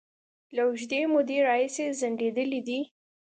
له اوږدې مودې راهیسې ځنډيدلې دي